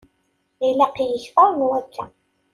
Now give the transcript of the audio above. Ilaq-iyi kter n wakka.